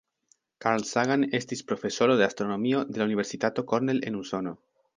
Carl Sagan estis profesoro de astronomio de la Universitato Cornell en Usono.